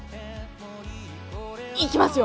いきますよ。